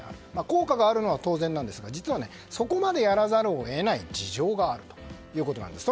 効果があるのは当然ですが実は、そこまでやらざるを得ない事情があるということです。